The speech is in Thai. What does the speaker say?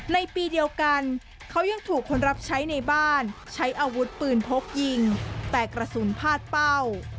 ในปีเดียวกันเขายังถูกคนรับใช้ในบ้านใช้อาวุธปืนพกยิงแต่กระสุนพาดเป้า